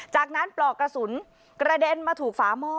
จากนั้นปลอกกระสุนกระเด็นมาถูกฝาหม้อ